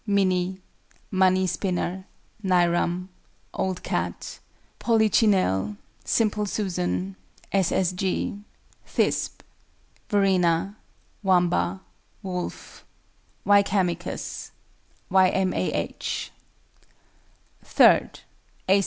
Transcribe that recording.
MINNIE. MONEY SPINNER. NAIRAM. OLD CAT. POLICHINELLE. SIMPLE SUSAN. S. S. G. THISBE. VERENA. WAMBA. WOLFE. WYKEHAMICUS. Y. M. A. H. III. A.